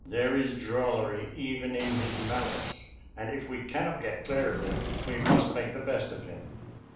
There is drollery even in his malice, and, if we cannot get clear of him, we must make the best of him."